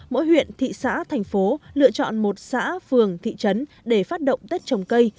mỗi huyện thị xã thành phố lựa chọn một xã phường thị trấn để phát động tết trồng cây